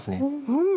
うん。